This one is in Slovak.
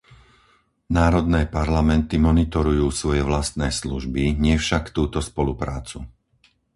Národné parlamenty monitorujú svoje vlastné služby, nie však túto spoluprácu.